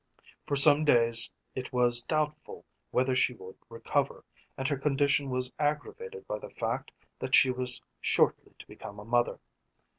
For some days it was doubtful whether she would recover, and her condition was aggravated by the fact that she was shortly to become a mother.